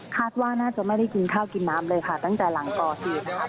คาดว่าน่าจะไม่ได้กินข้าวกินน้ำเลยค่ะตั้งแต่หลังก่อเหตุนะคะ